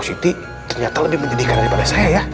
pak siti ternyata lebih mendidihkan daripada saya ya